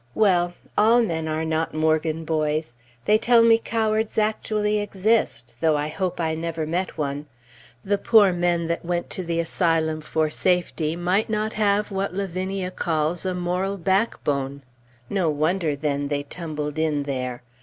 Well! All men are not Morgan boys! They tell me cowards actually exist, though I hope I never met one. The poor men that went to the Asylum for safety might not have what Lavinia calls "a moral backbone." No wonder, then, they tumbled in there!